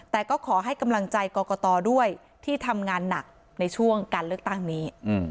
แต่ก็ขอให้กำลังใจกรกตด้วยที่ทำงานหนักในช่วงการเลือกตั้งนี้